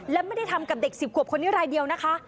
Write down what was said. และไม่ได้ทำกับเด็ก๑๐ขวบคนนี้รายเดียวนะคะ